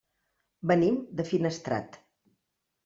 Venim de Finestrat.